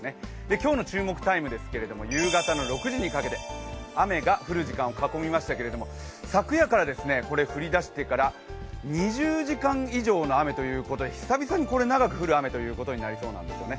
今日の注目タイムですけれども、夕方の６時にかけて雨が降る時間を囲みましたけれども昨夜から降りだしてから２０時間以上の雨ということで久々に長く降る雨ということになりそうなんですよね。